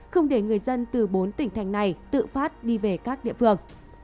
không để người dân từ bốn tỉnh thành này tự phát đi về các địa phương